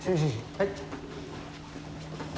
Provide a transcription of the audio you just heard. はい。